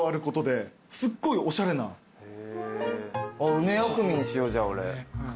梅薬味にしようじゃあ俺。